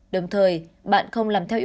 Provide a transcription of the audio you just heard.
đồng thời bạn không làm thông tin